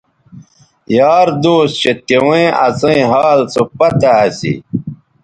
یار دوس چہء تیویں اسئیں حال سو پتہ اسی